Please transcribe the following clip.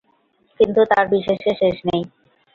কিন্তু তাঁর বিশেষের শেষ নেই।